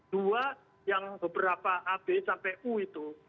dua yang beberapa a b sampai u itu